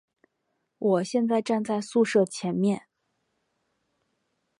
我现在站在宿舍前面